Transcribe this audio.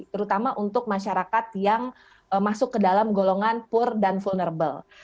terutama untuk masyarakat yang masuk ke dalam golongan pur dan vulnerable